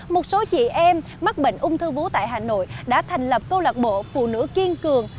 một số chị em mắc bệnh ung thư vú tại hà nội đã thành lập câu lạc bộ phụ nữ kiên cường